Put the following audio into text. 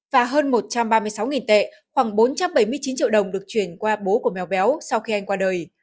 và hơn một trăm ba mươi sáu tệ khoảng bốn trăm bảy mươi chín triệu đồng được chuyển qua bố của mèo béo sau khi anh qua đời